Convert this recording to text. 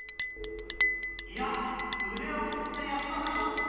いや腕を振って休ませます。